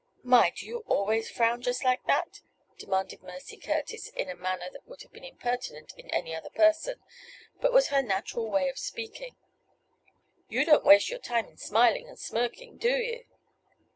"My! do you always frown just like that?" demanded Mercy Curtis, in a manner which would have been impertinent in any other person, but was her natural way of speaking. "You don't waste your time in smiling and smirking; do you?"